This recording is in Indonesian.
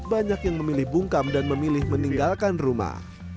banyak yang memilih bungkam dan memilih meninggalkan rumah